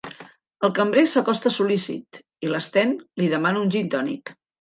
El cambrer s'acosta sol.lícit i l'Sten li demana un gintònic.